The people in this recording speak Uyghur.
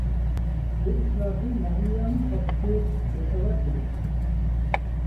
بۇ ئىشلاردىن مەھلىيانىڭ ئاپىسى بىخەۋەر ئىدى.